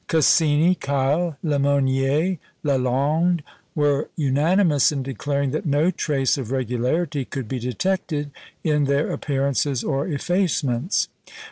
Cassini, Keill, Lemonnier, Lalande, were unanimous in declaring that no trace of regularity could be detected in their appearances or effacements.